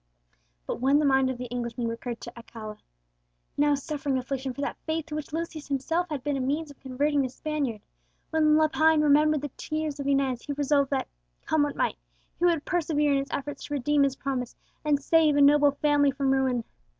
But when the mind of the Englishman recurred to Aguilera, now suffering affliction for that faith to which Lucius himself had been a means of converting the Spaniard; when Lepine remembered the tears of Inez, he resolved that, come what might, he would persevere in his efforts to redeem his promise, and save a noble family from ruin.